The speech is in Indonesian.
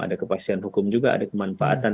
ada kepastian hukum juga ada kemanfaatan